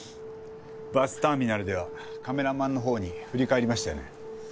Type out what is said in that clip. バスターミナルではカメラマンのほうに振り返りましたよね。